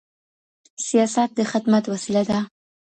سیاست د خدمت وسیله ده.